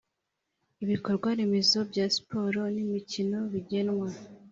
Ibikorwaremezo bya siporo n imikino bigenwa